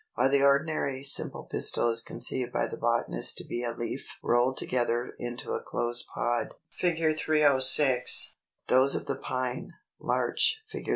] 314. While the ordinary simple pistil is conceived by the botanist to be a leaf rolled together into a closed pod (306), those of the Pine, Larch (Fig.